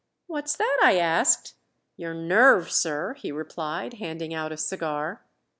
"What's that?" I asked. "Your nerve, sir," he replied, handing out a cigar.